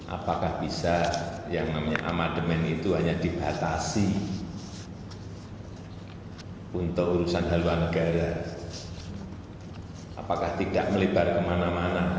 apakah bisa yang namanya amandemen itu hanya dibatasi untuk urusan haluan negara apakah tidak melebar kemana mana